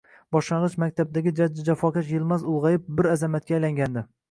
Boshlang'ich makgabdagi jajji jafokash Yilmaz ulg'ayib, bir azamatga aylangandi.